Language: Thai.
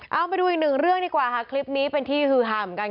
เอามาดูอีกหนึ่งเรื่องดีกว่าค่ะคลิปนี้เป็นที่ฮือหาเหมือนกัน